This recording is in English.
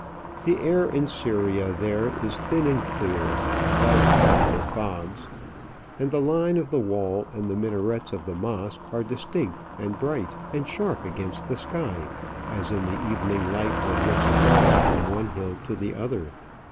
The air, in Syria there, is thin and clear, clouded by no fogs; and the lines of the wall and the minarets of the mosque are distinct and bright and sharp against the sky, as in the evening light one looks across from one hill to the other.